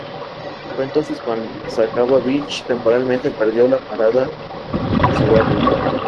Fue entonces cuando Sacaba Beach, temporalmente, perdió la parada en su barrio.